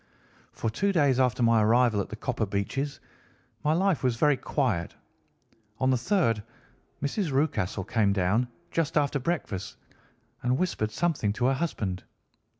"For two days after my arrival at the Copper Beeches my life was very quiet; on the third, Mrs. Rucastle came down just after breakfast and whispered something to her husband.